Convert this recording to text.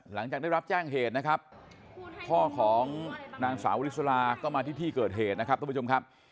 หลังจากได้รับแจ้งเหตุนะครับพ่อของนางสาวริสลาก็มาที่ที่เกิดเหตุนะครับทุกผู้ชมครับ